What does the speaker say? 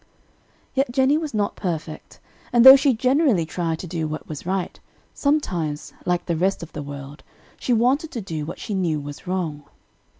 Yet Jennie was not perfect, and though she generally tried to do what was right, sometimes, like the rest of the world, she wanted to do what she knew was wrong.